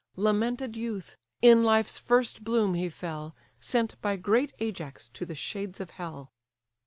Lamented youth! in life's first bloom he fell, Sent by great Ajax to the shades of hell.